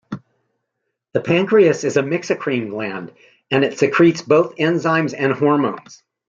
The pancreas is a mixocrine gland and it secretes both enzymes and hormones.